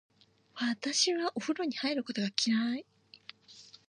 私はお風呂に入ることが嫌い。